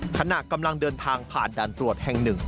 ขณะกำลังเดินทางผ่านด่านตรวจแห่ง๑